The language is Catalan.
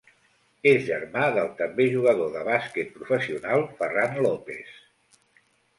És germà del també jugador de bàsquet professional Ferran López.